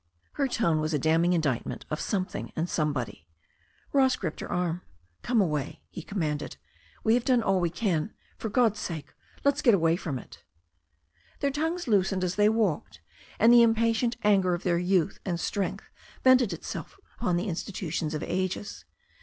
Her tone was a damning indictment of something and somebody. Ross gripped her arm. "Come away," he commanded. "We have done all we can. For God's sake let's get away from it." Their tongues loosened as they walked, and the impatient anger of their youth and strength vented itself upon the institutions of ages.